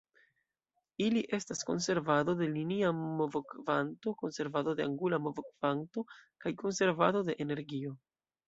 Ili estas Konservado de Linia Movokvanto, Konservado de Angula Movokvanto, kaj Konservado de Energio.